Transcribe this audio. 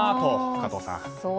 加藤さん。